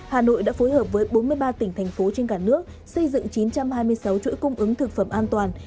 hà nội đã phối hợp với bốn mươi ba tỉnh thành phố trên cả nước xây dựng chín trăm hai mươi sáu chuỗi cung ứng thực phẩm an toàn